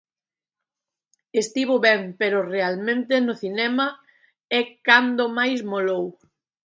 Estivo ben, pero realmente no cinema é cando máis molou.